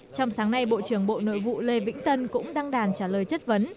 trong sáng nay bộ trưởng bộ nội vụ lê vĩnh tân cũng đăng đàn trả lời chất vấn